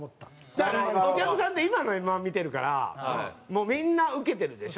だからお客さんって今のＭ−１見てるからもうみんなウケてるでしょ。